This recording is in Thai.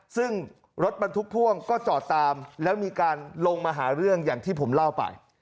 ซึ่งรถบรรทุกพ่วงก็จอดตามแล้วมีการลงมาหาเรื่องอย่างที่ผมเล่าไป